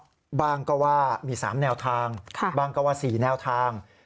บ้างก็ว่ามี๓แนวทางบ้างก็ว่า๔แนวทาง